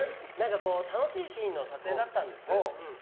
楽しいシーンの撮影だったんです。